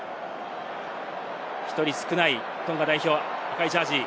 １人少ないトンガ代表、赤いジャージー。